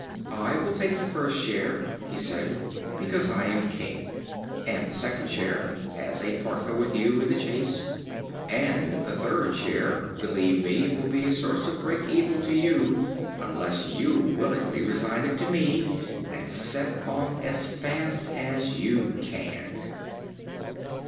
"I will take the first share," he said, "because I am king; and the second share, as a partner with you in the chase; and the third share (believe me) will be a source of great evil to you, unless you willingly resign it to me, and set off as fast as you can."